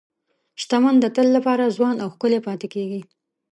شتمن د تل لپاره ځوان او ښکلي پاتې کېږي.